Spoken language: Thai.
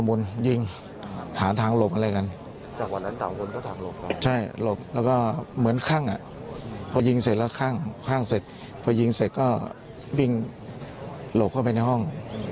พอยิงเสร็จก็ลงความมันวงหลังบ้าง